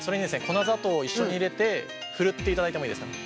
粉砂糖を一緒に入れてふるっていただいてもいいですかね。